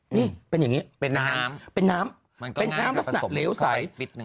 นี่เป็นอย่างนี้เป็นน้ำเป็นน้ำเป็นน้ำลักษณะเหลวใส